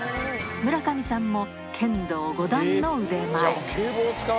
村上さんも、剣道５段の腕前。